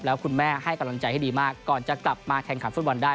แล้วคุณแม่ให้กำลังใจให้ดีมากก่อนจะกลับมาแข่งขันฟุตบอลได้